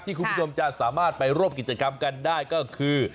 คุณผู้ชมจะสามารถไปร่วมกิจกรรมกันได้ก็คือ